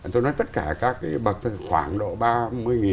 tôi nói tất cả các cái bậc khoảng độ